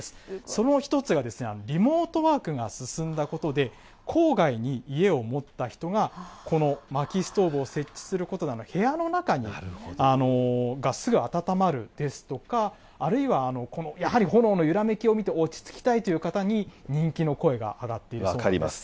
その１つがですね、リモートワークが進んだことで、郊外に家を持った人が、このまきストーブを設置することなど、部屋の中がすぐ暖まるですとか、あるいはこのやはり炎のゆらめきを見て、落ち着きたいという方に人気の声が上がっているそうなんです。